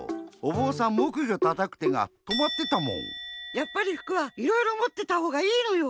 やっぱり服はいろいろもってたほうがいいのよ。